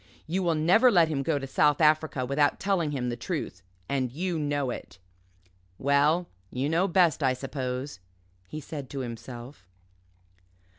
You will never let him go to South Africa without telling him the truth and you know it." "Well you know best, I suppose," he said to himself.